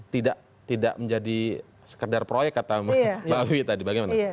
tidak menjadi sekedar proyek kata mbak wiwi tadi bagaimana